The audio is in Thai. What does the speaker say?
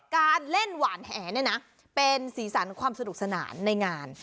การเล่นหวานแห่เป็นสีสันความสะดวกสนานในงาน